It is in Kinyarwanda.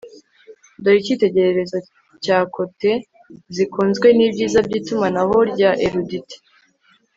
Dore icyitegererezo cya cote zikunzwe nibyiza bya itumanaho rya erudite